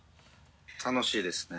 楽しいですね。